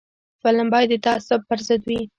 فلم باید د تعصب پر ضد وي